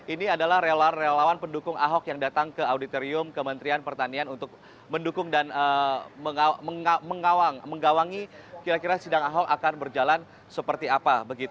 ini adalah relawan relawan pendukung ahok yang datang ke auditorium kementerian pertanian untuk mendukung dan menggawangi kira kira sidang ahok akan berjalan seperti apa